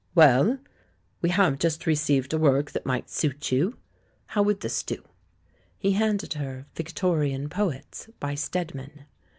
"Well, we have just received a work that might suit you. ... How would this do?" He handed her "Victorian Poets," by Stedman.